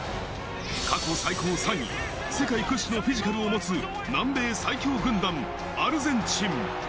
過去最高３位、世界屈指のフィジカルを持つ、南米最強軍団・アルゼンチン。